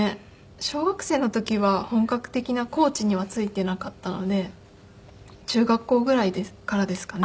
小学生の時は本格的なコーチにはついていなかったので中学校ぐらいからですかね。